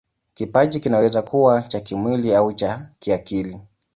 Kipaji kinaweza kuwa cha kimwili au cha kiakili.